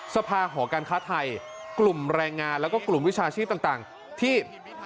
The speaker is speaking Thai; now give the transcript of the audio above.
สภาหอการค้าไทยกลุ่มแรงงานแล้วก็กลุ่มวิชาชีพต่างที่